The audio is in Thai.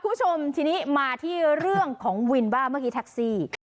คุณผู้ชมทีนี้มาที่เรื่องของวินบ้างเมื่อกี้แท็กซี่